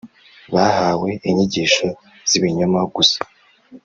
bahawe inyigisho z’ibinyoma gusa